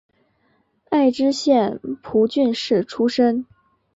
爱知县蒲郡市出身。